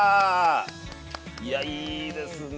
いやいいですね。